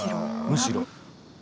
むしろ。